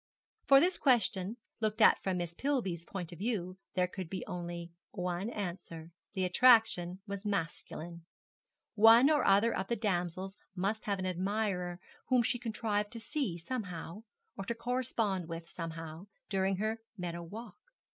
For this question, looked at from Miss Pillby's point of view, there could be only one answer. The attraction was masculine. One or other of the damsels must have an admirer whom she contrived to see somehow, or to correspond with somehow, during her meadow walk.